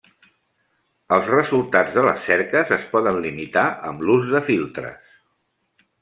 Els resultats de les cerques es poden limitar amb l'ús de filtres.